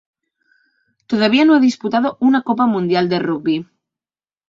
Todavía no ha disputado una Copa Mundial de Rugby.